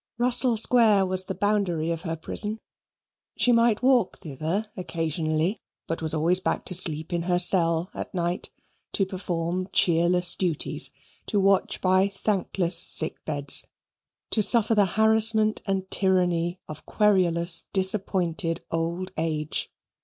Russell Square was the boundary of her prison: she might walk thither occasionally, but was always back to sleep in her cell at night; to perform cheerless duties; to watch by thankless sick beds; to suffer the harassment and tyranny of querulous disappointed old age.